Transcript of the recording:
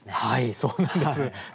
はいそうなんです。